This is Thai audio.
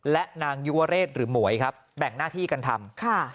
และนางยุวเรศหรือหมวยครับแบ่งหน้าที่กันทำ